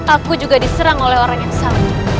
aku juga diserang oleh orang yang sama